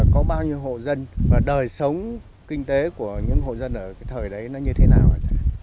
có bao nhiêu hộ dân và đời sống kinh tế của những hộ dân ở cái thời đấy nó như thế nào ạ